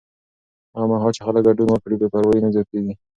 هغه مهال چې خلک ګډون وکړي، بې پروایي نه زیاتېږي.